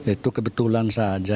itu kebetulan saja